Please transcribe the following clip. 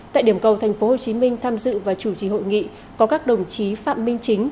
tại điểm cầu tp hcm tham dự và chủ trì hội nghị có các đồng chí phạm minh chính